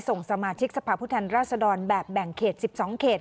ส่งสมาชิกสภาพผู้แทนราชดรแบบแบ่งเขต๑๒เขต